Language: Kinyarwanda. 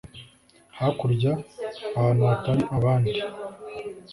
hakurya ahantu hatari abandi